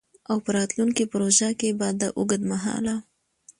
او په راتلونکو پروژو کي به د اوږدمهاله